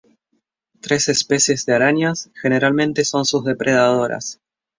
Tres especies de arañas generalmente son sus depredadoras.